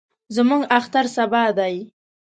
زموږ اختر سبا دئ.